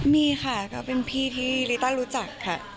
มีค่ะก็เป็นพี่ที่ลิต้ารู้จักค่ะ